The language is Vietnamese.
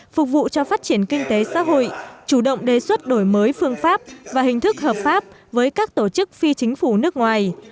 phục vụ cho phát triển kinh tế xã hội chủ động đề xuất đổi mới phương pháp và hình thức hợp pháp với các tổ chức phi chính phủ nước ngoài